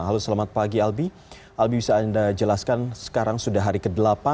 halo selamat pagi albi albi bisa anda jelaskan sekarang sudah hari ke delapan